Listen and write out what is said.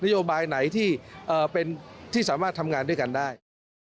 โยบายไหนที่สามารถทำงานด้วยกันได้